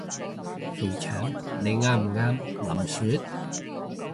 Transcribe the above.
肥腸你啱唔啱？林雪？